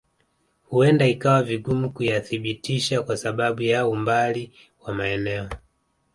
Huenda ikawa vigumu kuyathibitisha kwa sababu ya umbali wa maeneo